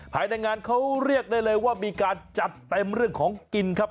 ภายในงานเขาเรียกได้เลยว่ามีการจัดเต็มเรื่องของกินครับ